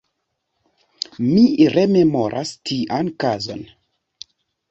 Mi rememoras tian kazon.